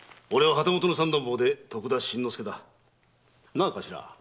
なあ頭？